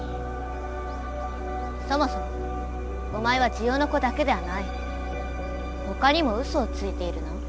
そもそもお前はジオノコだけではないほかにもウソをついているな？